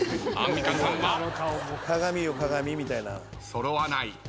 揃わない。